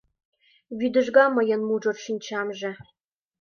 Вӱдыжга мыйын мужыр шинчамже